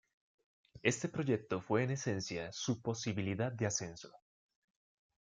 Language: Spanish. Este proyecto fue en esencia su posibilidad de ascenso.